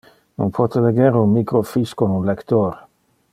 On pote leger un microfiche con un lector.